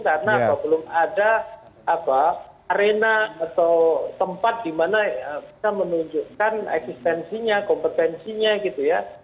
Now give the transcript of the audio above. karena kalau belum ada arena atau tempat di mana bisa menunjukkan eksistensinya kompetensinya gitu ya